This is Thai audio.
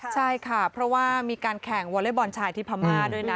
ใช่ค่ะเพราะว่ามีการแข่งวอเล็กบอลชายที่พม่าด้วยนะ